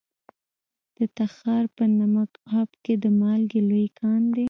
د تخار په نمک اب کې د مالګې لوی کان دی.